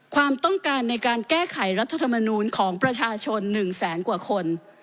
ความต้องการในการแก้ไขรัฐธรรมนูลของประชาชน๑แสนกว่าคน